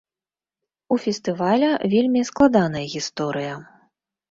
У фестываля вельмі складаная гісторыя.